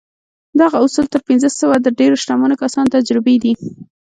دغه اصول تر پينځه سوه د ډېرو شتمنو کسانو تجربې دي.